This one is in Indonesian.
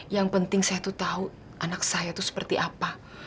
yang penting saya tuh tahu anak saya itu seperti apa